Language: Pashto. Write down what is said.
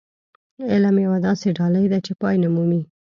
علم يوه داسې ډالۍ ده چې پای نه مومي.